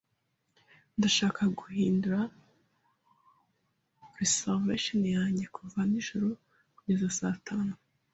Ndashaka guhindura reservation yanjye kuva nijoro kugeza saa tanu.